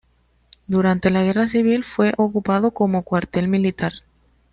Durante la guerra civil, fue ocupado como Cuartel militar.